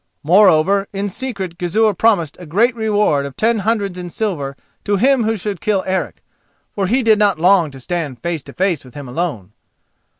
Moreover, in secret, Gizur promised a great reward of ten hundreds in silver to him who should kill Eric, for he did not long to stand face to face with him alone.